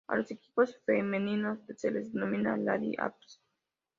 A los equipos femeninos se les denomina "Lady Apps".